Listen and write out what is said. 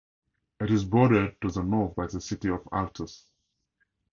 It is bordered to the north by the city of Altus.